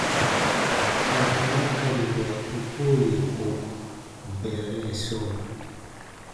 Ka daakariwa u koo yè ko bɛɛrɛ sɔɔ.